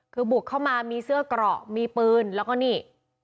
คือบุกเข้ามามีเสื้อเกราะมีปืนแล้วก็นี่